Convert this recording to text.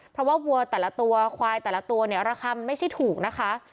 เพราะว่าวัวแต่ละตัวควายแต่ละตัวเนี่ยราคามันไม่ใช่ถูกนะคะ